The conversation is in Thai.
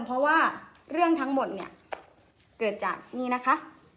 เพราะว่าเรื่องทั้งหมดเนี่ยเกิดจากนี่นะคะ